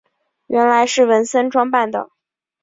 原来是文森装扮的。